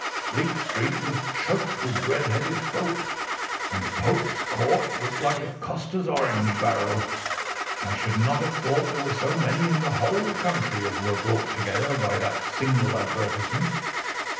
Fleet Street was choked with red headed folk, and Pope's Court looked like a coster's orange barrow. I should not have thought there were so many in the whole country as were brought together by that single advertisement.